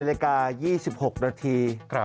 รายการ๒๖นาที